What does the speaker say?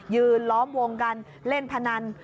ล้อมวงกันเล่นพนัน